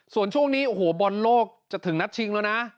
ส่วนช่วงนี้โอ้โหบอลโลกจะถึงนัดชิงแล้วนะ